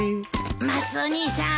マスオ兄さん